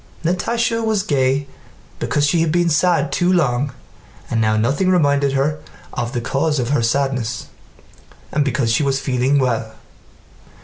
Natásha was gay because she had been sad too long and now nothing reminded her of the cause of her sadness, and because she was feeling well.